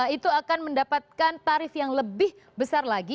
itu akan mendapatkan tarif yang lebih besar lagi